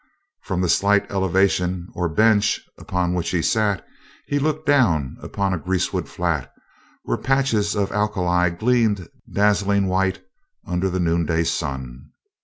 From the slight elevation or "bench" upon which he sat he looked down upon a greasewood flat where patches of alkali gleamed dazzling white under the noon day sun.